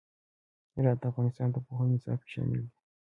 هرات د افغانستان د پوهنې نصاب کې شامل دي.